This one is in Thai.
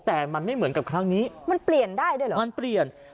แต่มันไม่เหมือนกับครั้งนี้มันเปลี่ยนได้ด้วยเหรอมันเปลี่ยน